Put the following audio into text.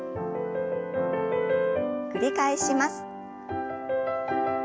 繰り返します。